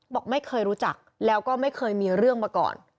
บอกไม่เคยรู้จักแล้วก็ไม่เคยมีเรื่องมาก่อน